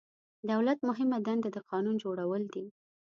دولت مهمه دنده د قانون جوړول دي.